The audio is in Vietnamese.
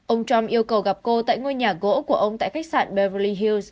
ông trump yêu cầu gặp cô tại ngôi nhà gỗ của ông tại khách sạn beverly hills